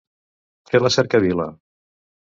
Fer la cercavila.